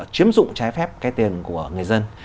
chiếm dụng trái phép cái tiền của người dân